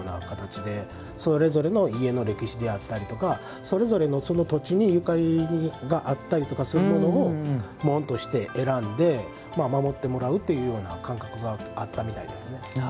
それぞれの家の歴史であったりそれぞれの土地にゆかりがあったりとかするものを紋として選んで守ってもらうというような感覚があったみたいですね。